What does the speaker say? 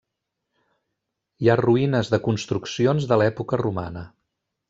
Hi ha ruïnes de construccions de l'època romana.